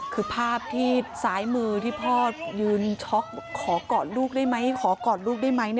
คือภาพที่ซ้ายมือที่พ่อยืนช็อกขอกอดลูกได้ไหมขอกอดลูกได้ไหม